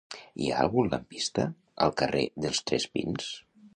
Hi ha algun lampista al carrer dels Tres Pins?